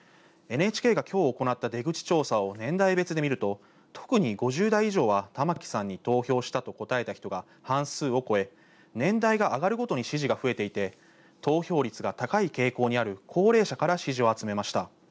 ＮＨＫがきょう行った出口調査を年代別で見ると特に５０代以上は玉城さんに投票したと答えた人が半数を超え、年代が上がるごとに支持が増えていて、投票率が高い傾向にある高齢者から支持を集めました。